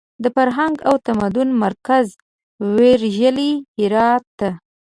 د فرهنګ او تمدن مرکز ویرژلي هرات ته!